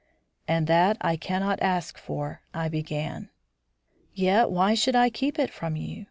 "And that I cannot ask for " I began. "Yet why should I keep it from you?